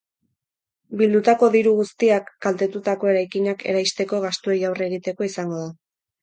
Bildutako diru guztiak kaltetutako eraikinak eraisteko gastuei aurre egiteko izango da.